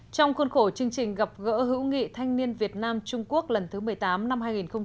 trong khuôn khổ chương trình gặp gỡ hữu nghị thanh niên việt nam trung quốc lần thứ một mươi tám năm hai nghìn một mươi chín